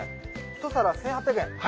１皿１８００円。